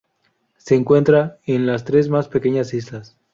Se encuentra en las tres más pequeñas islas.